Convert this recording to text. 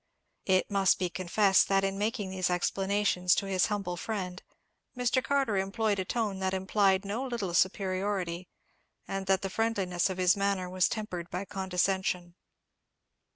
It must be confessed that, in making these explanations to his humble friend, Mr. Carter employed a tone that implied no little superiority, and that the friendliness of his manner was tempered by condescension.